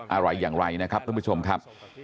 อะไรอย่างไรนะครับท่านผู้ชมครับ